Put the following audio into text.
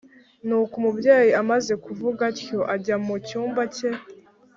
nuko umubyeyi amaze kuvuga atyo ajya mu cyumba ke